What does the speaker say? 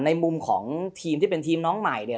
ในมุมของทีมที่เป็นทีมน้องใหม่เนี่ย